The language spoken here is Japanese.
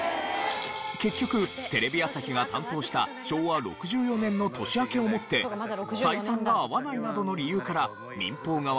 結局テレビ朝日が担当した昭和６４年の年明けをもって採算が合わないなどの理由から民放側が制作を断念。